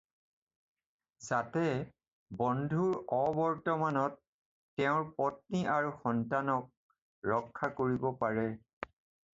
যাতে বন্ধুৰ অবৰ্তমানত তেওঁৰ পত্নী আৰু সন্তানক ৰক্ষা কৰিব পাৰে।